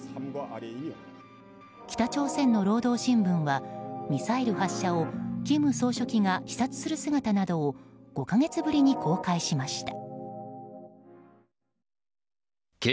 北朝鮮の労働新聞はミサイル発射を金総書記が視察する姿などを５か月ぶりに公開しました。